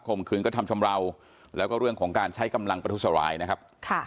คืนกระทำชำราวแล้วก็เรื่องของการใช้กำลังประทุษร้ายนะครับ